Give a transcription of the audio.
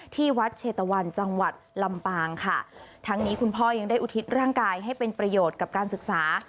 ที่วัดเชตะวันจังหวัดลำปางค่ะทั้งนี้คุณพ่อยังได้อุทิศร่างกายให้เป็นประโยชน์กับการศึกษา